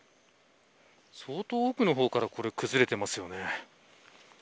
相当と奥の方から崩れてますよね。